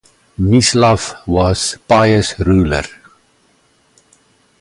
Mislav was pious ruler.